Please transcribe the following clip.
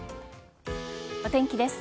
お天気です。